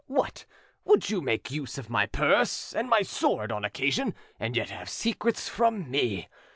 What! would you make use of my purse and my sword on occasion and yet have secrets from me?